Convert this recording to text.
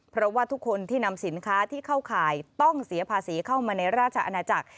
เพราะว่าทุกคนที่นำสินค้าที่เข้าข่ายต้องเสียภาษีเข้ามาในราชอาณาจักร